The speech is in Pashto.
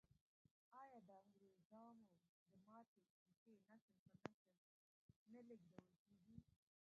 آیا د انګریزامو د ماتې کیسې نسل په نسل نه لیږدول کیږي؟